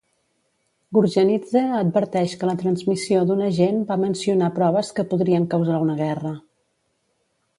Gurgenidze adverteix que la transmissió d'un agent va mencionar proves que podrien causar una guerra.